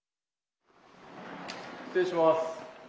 失礼します。